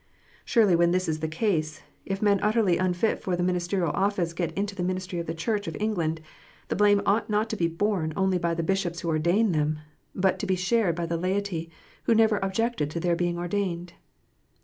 Surely when this is the case, if men utterly unfit for the ministerial office get into the ministry of the Church of England, the blame ought not to be borne only by the bishops who ordain them, but to be shared by the laity who never objected to their being ordained.